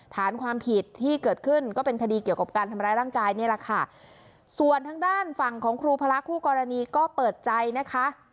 ฐานความผิดที่เกิดขึ้นก็เป็นคดีเกี่ยวกับการทำร้ายร่างกายนี่แหละค่ะส่วนทางด้านฝั่งของครูพระคู่กรณีก็เปิดใจนะคะ